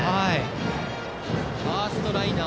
ファーストライナー